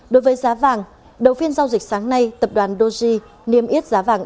đối với giá vàng đầu phiên giao dịch sáng nay tập đoàn doge niêm yết giá vàng